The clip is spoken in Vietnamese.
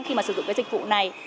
khi mà sử dụng cái dịch vụ này